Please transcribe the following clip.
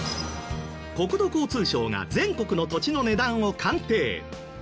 国土交通省が全国の土地の値段を鑑定。